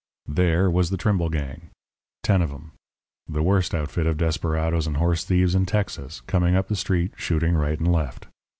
"There was the Trimble gang ten of 'em the worst outfit of desperadoes and horse thieves in Texas, coming up the street shooting right and left.